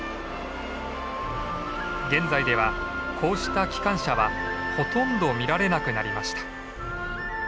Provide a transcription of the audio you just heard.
現在ではこうした機関車はほとんど見られなくなりました。